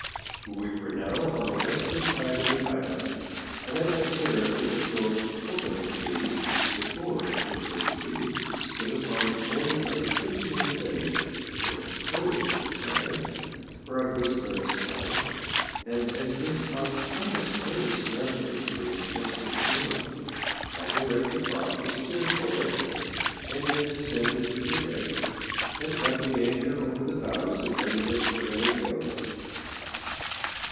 We were now on the western side of the island, and I observed that the grove of cocoa nut trees before referred to stood upon the border of a pretty little bay, or cove rather, for it was very small; and as this spot promised very snug anchorage close to the shore, I directed Bob to steer for it, and then descended to the deck and got the anchor over the bows in readiness for letting go.